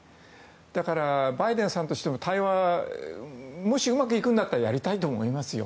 だからバイデンさんとしてももしうまくいくんだったら対話はやりたいと思いますよ。